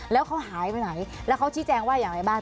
แล้วเขาหายไปไหนแล้วเขาชี้แจงว่าอย่างไรบ้าง